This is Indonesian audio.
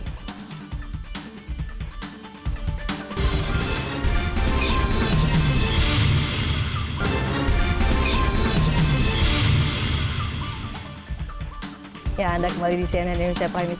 kita akan kembali di cnn indonesia prime news